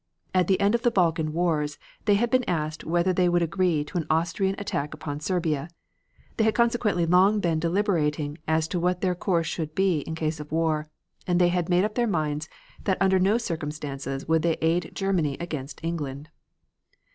At the end of the Balkan wars they had been asked whether they would agree to an Austrian attack upon Serbia. They had consequently long been deliberating as to what their course should be in case of war, and they had made up their minds that under no circumstances would they aid Germany against England.